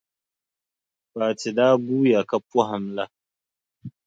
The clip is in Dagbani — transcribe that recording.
Fati daa guuya ka pɔhim la,